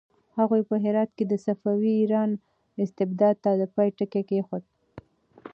هغوی په هرات کې د صفوي ایران استبداد ته د پای ټکی کېښود.